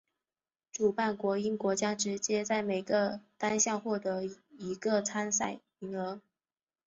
主办国英国将直接在每个单项获得一个参赛名额。